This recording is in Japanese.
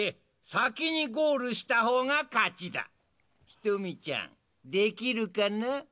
ひとみちゃんできるかな？